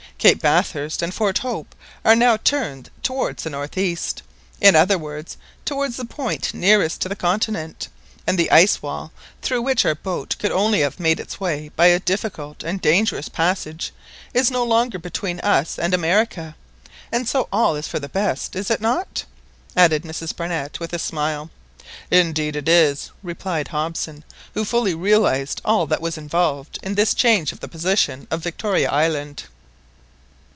Cape Bathurst and Fort Hope are now turned towards the north east, in other words towards the point nearest to the continent, and the ice wall, through which our boat could only have made its way by a difficult and dangerous passage, is no longer between us and America. And so all is for the best, is it not?" added Mrs. Barnett with a smile. "Indeed it is," replied Hobson, who fully realised all that was involved in this change of the position of Victoria Island.